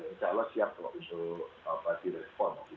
insya allah siap kalau itu di respon